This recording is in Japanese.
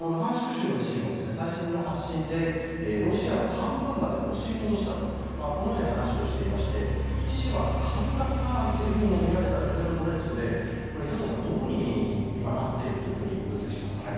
州の知事も最新の発信でロシアを半分まで押し戻したとこのように話をしていまして一時は陥落かなんていうふうにもみられたセベロドネツクで兵頭さん、どういうふうに今、なっているというふうに分析しますか？